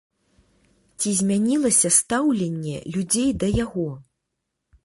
Ці змянілася стаўленне людзей да яго?